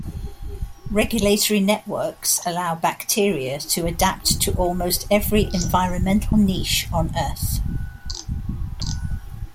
Regulatory networks allow bacteria to adapt to almost every environmental niche on earth.